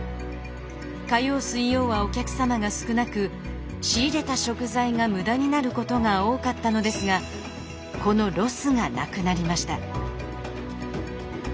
火曜水曜はお客様が少なく仕入れた食材が無駄になることが多かったのですがこのロスがなくなりました。